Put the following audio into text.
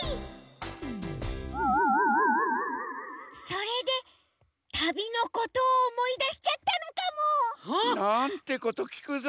それで旅のことをおもいだしちゃったのかも。なんてこときくざんすか。